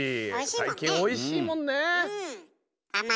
最近おいしいもんね。